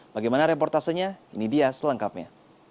bagaimana reportasenya ini dia selengkapnya